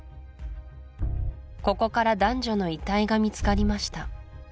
ここから男女の遺体が見つかりました